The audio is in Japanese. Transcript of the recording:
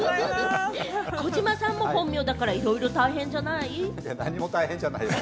児嶋さんも本名だから、１つも大変じゃない。